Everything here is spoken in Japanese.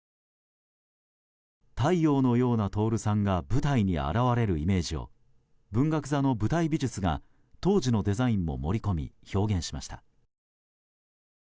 太陽のような徹さんが舞台に現れるイメージを文学座の舞台美術が当時のデザインも盛り込み表現しました。